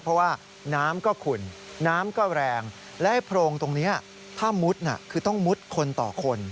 เพราะว่าน้ำก็ขุ่นน้ำก็แรงและโพรงตรงนี้ถ้ามุดคือต้องมุดคนต่อคน